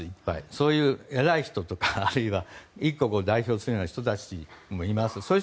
そういう偉い人とかあるいは、一国を代表するような人もいます。